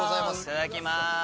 いただきます。